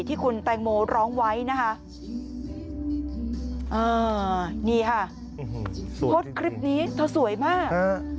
ที่คุณแตงโมร้องไว้นะคะอ่านี่ค่ะโพสต์คลิปนี้เธอสวยมาก